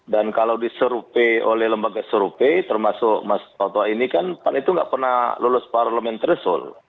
dan kalau disurvei oleh lembaga survei termasuk mas toto ini kan pan itu tidak pernah lulus parlementar soul